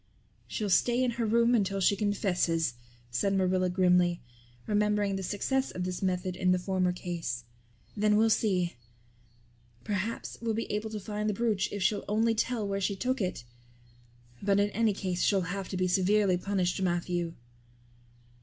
"She'll stay in her room until she confesses," said Marilla grimly, remembering the success of this method in the former case. "Then we'll see. Perhaps we'll be able to find the brooch if she'll only tell where she took it; but in any case she'll have to be severely punished, Matthew."